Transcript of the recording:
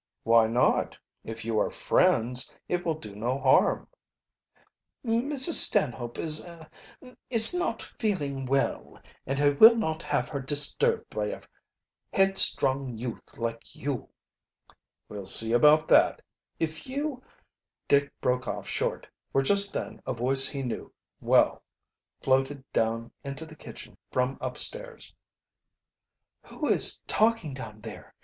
"Why not? If you are friends, it will do no harm." "Mrs. Stanhope is er is not feeling well, and I will not have her disturbed by a headstrong youth like you." "We'll see about that. If you " Dick broke off short, for just then a voice he knew well floated down into the kitchen from upstairs. "Who is talking down there?